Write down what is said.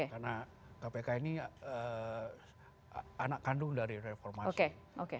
karena kpk ini anak kandung dari reformasi